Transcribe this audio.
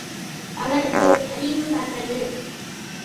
அவருக்கு அறிவு வந்தது.